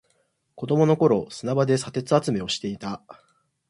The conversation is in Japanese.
子供の頃、砂場で砂鉄集めをしていた。